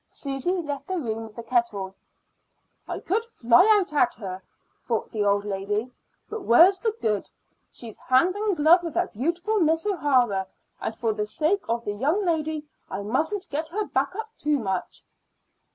Susy left the room with the kettle. "I could fly out at her," thought the old lady; "but where's the good? She's hand and glove with that beautiful Miss O'Hara, and for the sake of the young lady I mustn't get her back up too much."